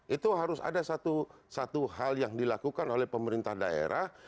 itu harus ada satu hal yang dilakukan oleh pemerintah daerah